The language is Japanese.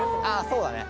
そうだね